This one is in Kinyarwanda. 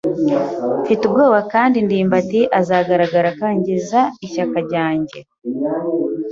Mfite ubwoba ko ndimbati azagaragara akangiza ishyaka ryanjye.